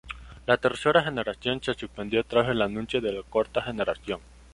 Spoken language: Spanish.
La tercera generación se suspendió tras el anuncio de la cuarta generación.